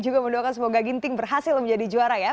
juga mendoakan semoga ginting berhasil menjadi juara ya